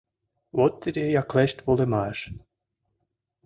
Вот тиде яклешт волымаш!